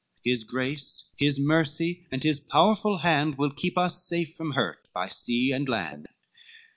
His grace, his mercy, and his powerful hand Will keep us safe from hurt by sea and land.